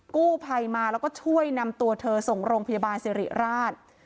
กู้ภัยมาแล้วก็ช่วยนำตัวเธอส่งโรงพยาบาลสิริราช